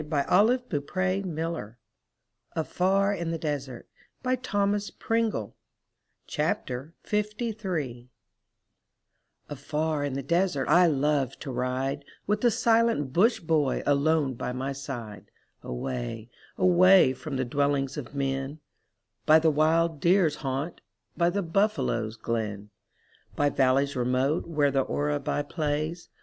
225 M Y BOOK HOUSE AFAR IN THE DESERT (South Africa) Thomas Pringle Afar in the desert I love to ride, With the silent Bush boy alone by my side. Away — away from the dwellings of men, By the wild deer's haunt, by the buffalo's glen; By valleys remote where the oribi plays.